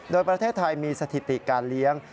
โดยประเทศไทยมีสถิติการเลี้ยง